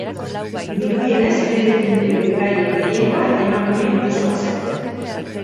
Dirudienez, bere pinturen gaien gehiengoa emakumeei buruzkoa zen.